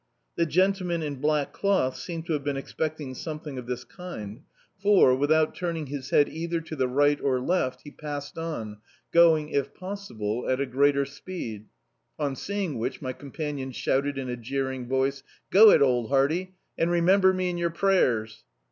The gentleman in black cloth seemed to have been ex pecting something of this kind, for, without turning D,i.,.db, Google On the Downright his head either to the right or left, he passed on, going if possible, at a greater speed. On seeing which my companion shouted in a jeering voice — "Go it, old hearty, and remember me in yer prayers."